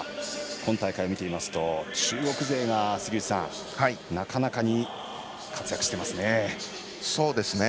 今大会を見てみますと中国勢がなかなかに活躍していますね。